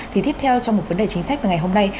thì tiếp theo trong một vấn đề chính sách vào ngày hôm nay